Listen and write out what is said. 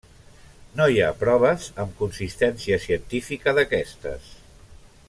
No hi ha proves amb consistència científica d'aquestes.